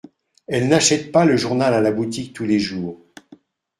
Elles n’achètent pas le journal à la boutique tous les jours.